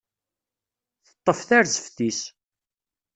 Teṭṭef tarzeft-is.